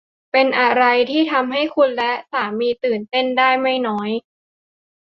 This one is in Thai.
เป็นอะไรที่ทำให้คุณและสามีตื่นเต้นได้ไม่น้อย